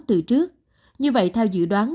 từ trước như vậy theo dự đoán